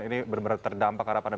ini benar benar terdampak karena pandemi